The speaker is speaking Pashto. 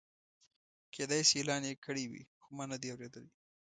کېدای شي اعلان یې کړی وي خو ما نه دی اورېدلی.